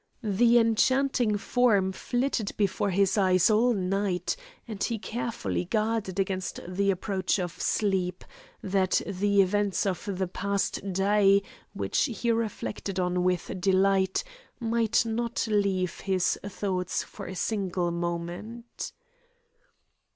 The enchanting form flitted before his eyes all night, and he carefully guarded against the approach of sleep, that the events of the past day which he reflected on with delight might not leave his thoughts for a single moment.